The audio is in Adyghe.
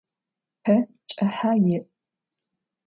Pe ç'ıhe yi'.